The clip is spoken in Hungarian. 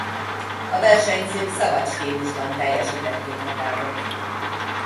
A versenyzők szabad stílusban teljesítették a távot.